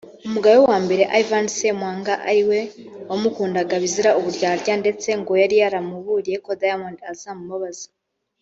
umugabo we wa mbere Ivan Semwanga ari we wamukundaga bizira uburyarya ndetse ngo yari yaramuburiye ko Diamond azamubabaza